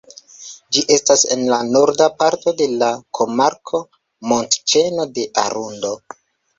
Ĝi estas en la norda parto de la komarko Montĉeno de Arundo.